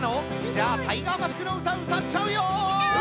じゃあ「タイガーマスク」のうたうたっちゃうよ！